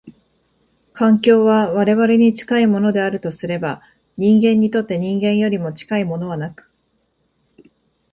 環境は我々に近いものであるとすれば、人間にとって人間よりも近いものはなく、